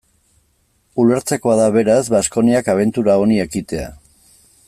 Ulertzekoa da, beraz, Baskoniak abentura honi ekitea.